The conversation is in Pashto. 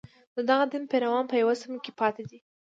د دغه دین پیروان په یوه سیمه کې پاتې دي.